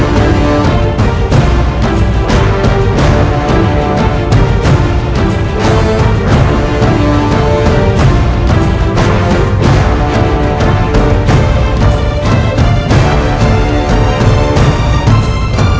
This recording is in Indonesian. sekarang antarkan aku ke kamar